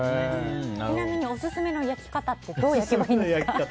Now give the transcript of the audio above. ちなみにオススメの焼き方ってどうすればいいんですか。